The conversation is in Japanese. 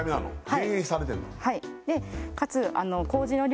減塩されてるの？